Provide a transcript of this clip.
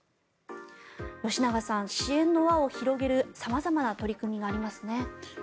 吉永さん、支援の輪を広げる様々な取り組みがありますね。